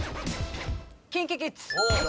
ＫｉｎＫｉＫｉｄｓ。